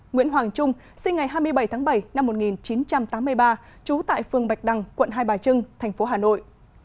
nguyễn hoàng trung sinh ngày hai mươi bảy tháng bảy năm một nghìn chín trăm tám mươi ba trú tại phường bạch đằng quận hai bà trưng thành phố hà nội